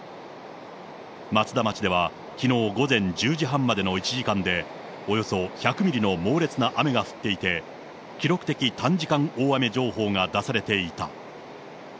松田町では、きのう午前１０時半までの１時間で、およそ１００ミリの猛烈な雨が降っていて、記録的短時間大雨情報が出されていた。